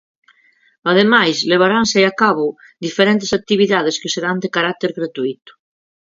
Ademais, levaranse acabo diferentes actividades que serán de carácter gratuíto.